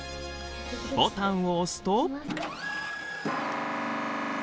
ボタンを押すと。